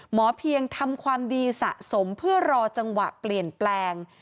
หมอเพียงทำความดีสะสมเพื่อรอจังหวะเปลี่ยนแปลง